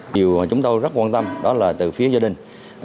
điều mà chúng tôi rất quan tâm đó là từ phía gia đình